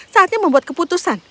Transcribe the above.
saatnya membuat keputusan